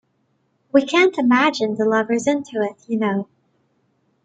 We can’t imagine the lovers into it, you know.